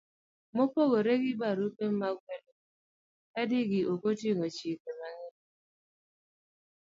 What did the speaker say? Mopogore gi barupe mag gwelo ji, kadgi ok oting'o chike mang'eny: